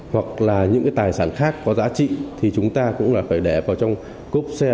hoặc là những cái tài sản khác có giá trị thì chúng ta cũng là phải đẻ vào trong cốp xe